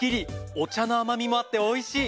お茶のあまみもあっておいしい！